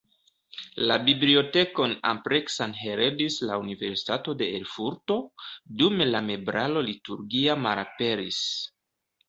La bibliotekon ampleksan heredis la Universitato de Erfurto, dume la meblaro liturgia malaperis.